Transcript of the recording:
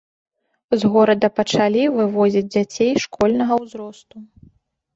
З горада пачалі вывозіць дзяцей школьнага ўзросту.